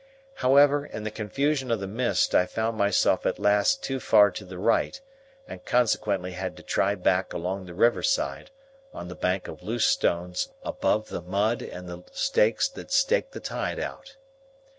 However, in the confusion of the mist, I found myself at last too far to the right, and consequently had to try back along the river side, on the bank of loose stones above the mud and the stakes that staked the tide out.